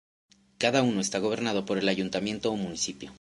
Cada uno está gobernado por el ayuntamiento o municipio.